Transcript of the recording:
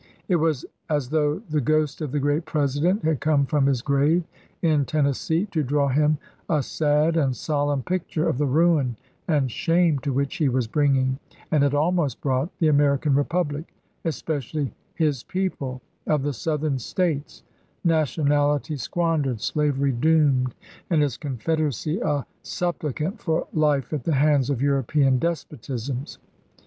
It was as though the ghost of the great President had come from his grave in Tennessee to draw him a sad and solemn picture of the ruin and shame to which he was bringing, and had almost brought, the Ameri can Republic, especially "his people n of the Southern States — nationality squandered, slavery doomed, and his Confederacy a supplicant for life at the hands of European despotisms.